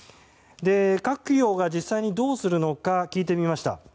各企業が実際にどうするのか聞いてみました。